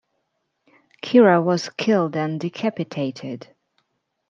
Kira was killed and decapitated.